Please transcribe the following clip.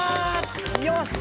よし！